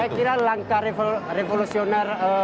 saya kira langkah revolusioner